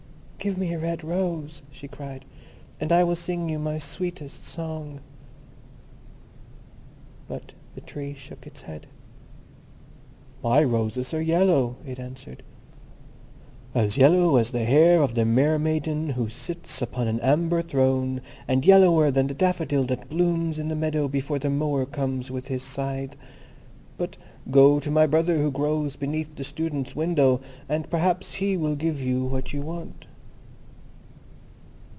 "Give me a red rose," she cried, "and I will sing you my sweetest song." But the Tree shook its head. "My roses are yellow," it answered; "as yellow as the hair of the mermaiden who sits upon an amber throne, and yellower than the daffodil that blooms in the meadow before the mower comes with his scythe. But go to my brother who grows beneath the Student's window, and perhaps he will give you what you want."